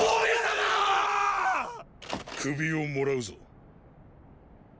首をもらうぞ。